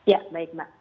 ya baik mbak